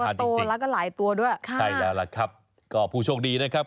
โตแล้วก็หลายตัวด้วยค่ะใช่แล้วล่ะครับก็ผู้โชคดีนะครับ